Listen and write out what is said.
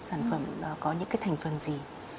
sản phẩm có những cái thành phần gì